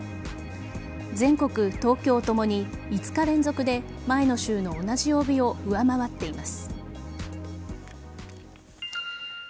全国、東京ともに５日連続で前の週の同じ曜日を上回っています。